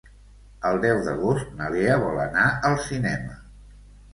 El deu d'agost na Lea vol anar al cinema.